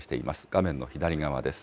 画面の左側です。